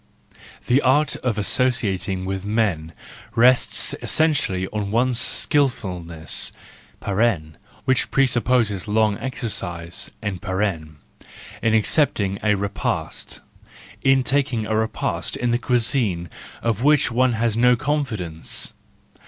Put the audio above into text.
—The art of associating with men rests essentially on one's skilfulness (which presupposes long exercise) in accepting a repast, in taking a repast in the cuisine of which one has no confidence.